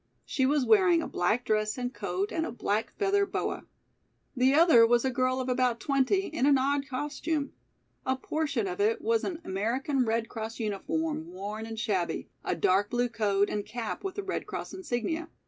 She was wearing a black dress and coat and a black feather boa. The other was a girl of about twenty in an odd costume. A portion of it was an American Red Cross uniform, worn and shabby, a dark blue coat and cap with the Red Cross insignia.